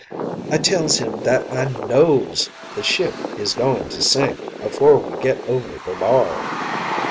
I tells him that I knows the ship is goin' to sink afore we git over the bar.